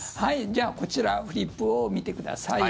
じゃあ、こちらフリップを見てください。